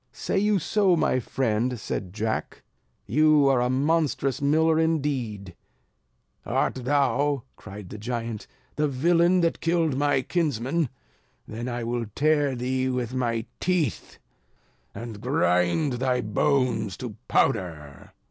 "Say you so my friend?" said Jack, "you are a monstrous miller indeed." "Art thou," cried the giant, "the villain that killed my kinsmen? Then I will tear thee with my teeth, and grind thy bones to powder."